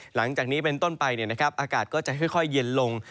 หลังจากนี้เป็นต้นไปอากาศก็จะค่อยเย็นลง